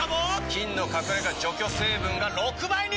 菌の隠れ家除去成分が６倍に！